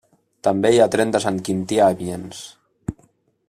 També hi ha tren de Sant Quintí a Amiens.